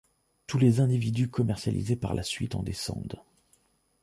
Tous les individus commercialisés par la suite en descendent.